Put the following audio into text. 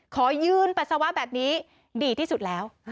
ขอยืนปัสสาวะแบบนี้ดีที่สุดแล้ว